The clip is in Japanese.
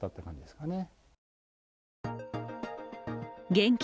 現金